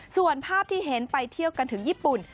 ส่วนภาพที่เห็นไปเที่ยวกันถึงญี่ปุ่น